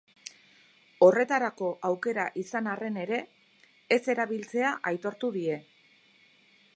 Horretarako aukera izan arren ere, ez erabiltzea aitortu die.